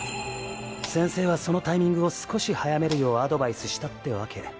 先生はそのタイミングを少し早めるようアドバイスしたってわけ。